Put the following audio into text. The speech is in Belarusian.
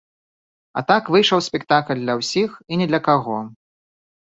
А так выйшаў спектакль для ўсіх і ні для каго.